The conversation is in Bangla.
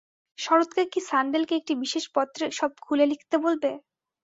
শরৎকে কি সাণ্ডেলকে একটি বিশেষ পত্রে সব খুলে লিখতে বলবে।